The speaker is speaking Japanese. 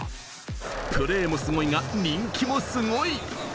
プレーもすごいが、人気もすごい。